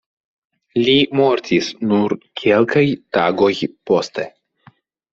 Li mortis nur kelkaj tagoj poste.